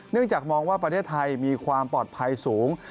จากมองว่าประเทศไทยมีความปลอดภัยสูง